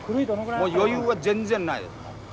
余裕は全然ないです。